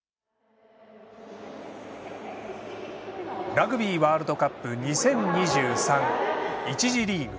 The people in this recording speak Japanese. ラグビーワールドカップ２０２３、１次リーグ。